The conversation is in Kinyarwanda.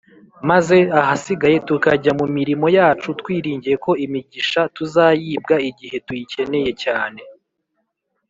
Maze ahasigaye tukajya mu mirimo yacu, twiringiye ko imigisha tuzayibwa igihe tuyikeneye cyane